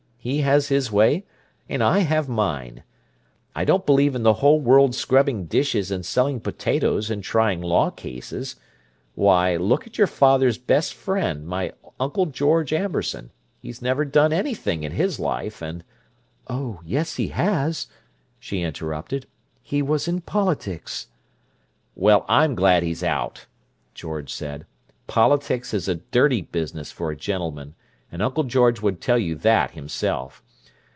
He has his way, and I have mine. I don't believe in the whole world scrubbing dishes and selling potatoes and trying law cases. Why, look at your father's best friend, my Uncle George Amberson—he's never done anything in his life, and—" "Oh, yes, he has," she interrupted. "He was in politics." "Well, I'm glad he's out," George said. "Politics is a dirty business for a gentleman, and Uncle George would tell you that himself.